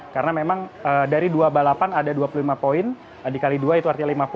karena memang dari dua balapan ada dua puluh lima poin dikali dua itu artinya lima puluh